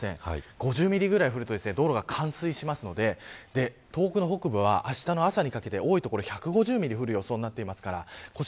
５０ミリくらい降ると道路が冠水しますので東北の北部は、あしたの朝にかけて、多い所は１５０ミリ降る予想となっています。